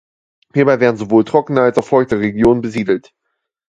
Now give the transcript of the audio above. Hierbei werden sowohl trockene als auch feuchtere Regionen besiedelt.